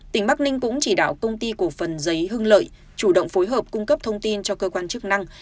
tỉnh bắc ninh cũng chỉ đạo công ty cổ phần giấy hưng lợi chủ động phối hợp cung cấp thông tin cho cơ quan chức năng